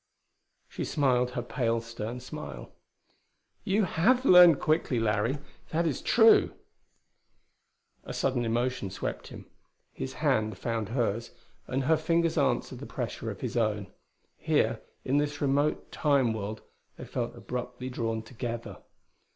She smiled her pale, stern smile. "You have learned quickly, Larry. That is true." A sudden emotion swept him. His hand found hers; and her fingers answered the pressure of his own. Here in this remote Time world they felt abruptly drawn together.